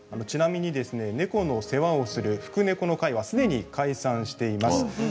ちなみに猫の世話をするふくねこの会はすでに解散しています。